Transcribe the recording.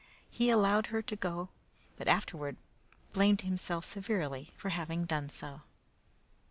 He allowed her to go, but afterward blamed himself severely for having done so.